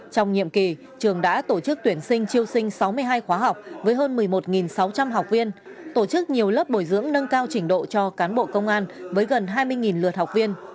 trong nhiệm kỳ trường đã tổ chức tuyển sinh triêu sinh sáu mươi hai khóa học với hơn một mươi một sáu trăm linh học viên tổ chức nhiều lớp bồi dưỡng nâng cao trình độ cho cán bộ công an với gần hai mươi lượt học viên